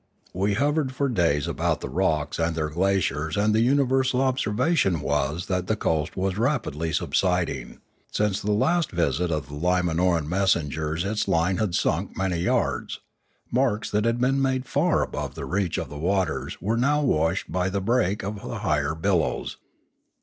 We hovered for days about the rocks and their glaciers and the universal observation was that the coast was rapidly subsiding; since the last visit of the Limanoran messengers its line had sunk many yards; marks that had been made far above the reach of the waters were now washed by the break of the higher billows.